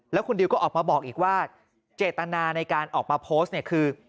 แล้วคุณดิวก็ออกมาบอกอีกว่าเจตนาในการออกมาโพสต์เนี่ยคือ